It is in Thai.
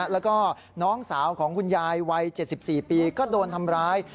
แล้วก็น้องสาวของคุณยายวัย๗๔ปีก็โดนทำร้าย